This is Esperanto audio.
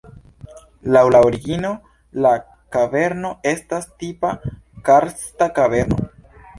Laŭ la origino la kaverno estas tipa karsta kaverno.